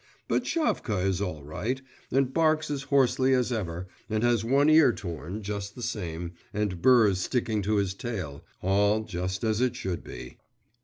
But Shavka is all right, and barks as hoarsely as ever, and has one ear torn just the same, and burrs sticking to his tail, all just as it should be.